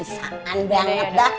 sangat banget dah